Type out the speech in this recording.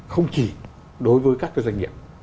không chỉ đối với các cái doanh nghiệp